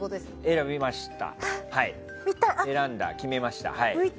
選びました。